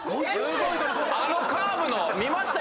あのカーブの見ました？